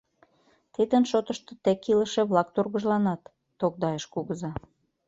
Тидын шотышто тек илыше-влак тургыжланат, — тогдайыш Кугыза.